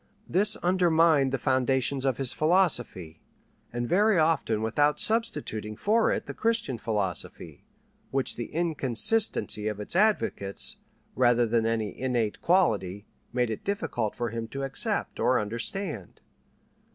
This undermined the foundations of his philosophy, and very often without substituting for it the Christian philosophy, which the inconsistency of its advocates, rather than any innate quality, made it difficult for him to accept or understand.